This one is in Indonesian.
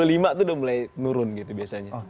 itu mulai turun gitu biasanya